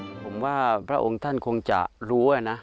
ผมว่าพระองค์ท่านคงจะรู้นะ